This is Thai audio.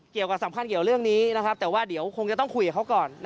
เกี่ยวกับสัมพันธ์เกี่ยวเรื่องนี้แต่ว่าเดี๋ยวคงจะต้องคุยกับเขาก่อน